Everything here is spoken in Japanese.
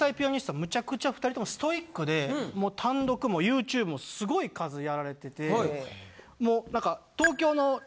むちゃくちゃ２人ともストイックでもう単独もＹｏｕＴｕｂｅもすごい数やられててもう何か。